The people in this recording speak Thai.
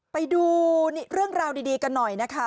ไปดูเรื่องราวดีกันหน่อยนะคะ